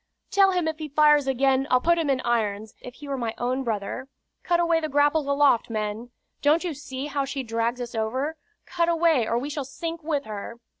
"Tell him if he fires again, I'll put him in irons, if he were my own brother. Cut away the grapples aloft, men. Don't you see how she drags us over? Cut away, or we shall sink with her."